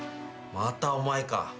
またお前か。